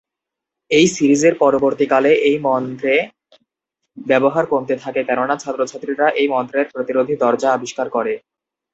এই সিরিজের পরবর্তীকালে এই মন্ত্রে ব্যবহার কমতে থাকে, কেননা ছাত্র-ছাত্রীরা এই মন্ত্রের প্রতিরোধী দরজা আবিষ্কার করে।